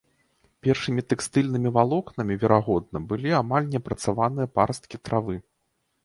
Першымі тэкстыльнымі валокнамі, верагодна, былі амаль не апрацаваныя парасткі травы.